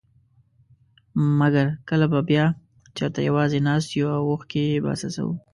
مګر کله به بيا چېرته يوازي ناست يو او اوښکي به څڅوو.